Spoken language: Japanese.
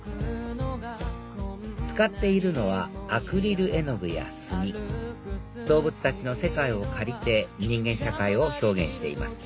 使っているのはアクリル絵の具や墨動物たちの世界を借りて人間社会を表現しています